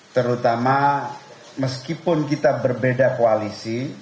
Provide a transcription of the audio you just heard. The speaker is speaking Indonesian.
terutama meskipun kita berbeda koalisi